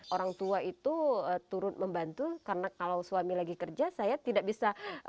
orang tua itu turut membantu karena kalau suami lagi kerja saya tidak bisa